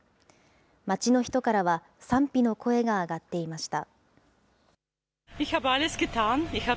街の人からは、賛否の声が上がっていました。